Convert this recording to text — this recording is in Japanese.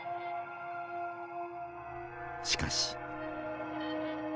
しかし。